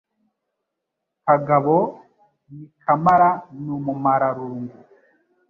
KANGABO ni kamara n' umumararungu;